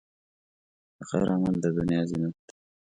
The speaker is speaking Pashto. د خیر عمل، د دنیا زینت دی.